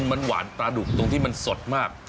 มันหวานปลาดุกตรงที่มันสดมาก